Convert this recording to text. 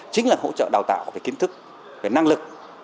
chính là hỗ trợ đào tạo về kiến thức về năng lực